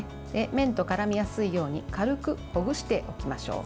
麺と絡みやすいように軽くほぐしておきましょう。